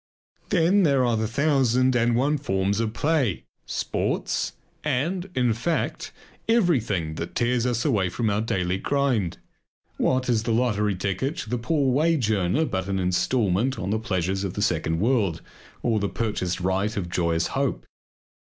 Then there are the thousand and one forms of play; sports and in fact everything that tears us away from our daily grind. What is the lottery ticket to the poor wage earner but an instalment on the pleasures of the second world, or the purchased right of joyous hope?